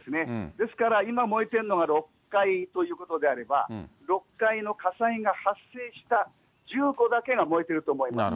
ですから、今、燃えているのが６階ということであれば、６階の火災が発生した住戸だけが燃えてると思います。